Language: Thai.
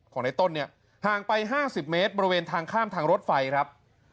ในต้นเนี่ยห่างไป๕๐เมตรบริเวณทางข้ามทางรถไฟครับ